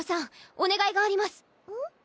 おねがいがあります！